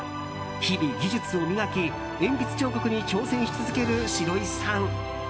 日々、技術を磨き鉛筆彫刻に挑戦し続けるシロイさん。